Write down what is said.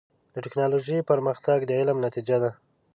د ټکنالوجۍ پرمختګ د علم نتیجه ده.